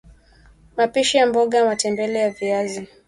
mapishi ya mboga ya matembele ya viazi